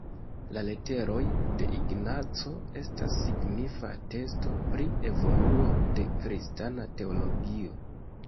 La Leteroj de Ignaco estas signifa atesto pri evoluo de kristana teologio.